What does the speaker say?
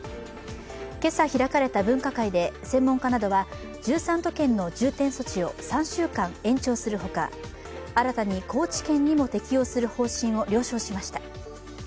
今朝開かれた分科会で専門家などは１３都県の重点措置を３週間延長するほか、新たに高知県にも適用する方針を了承しました。